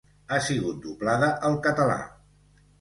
Ha sigut doblada al català.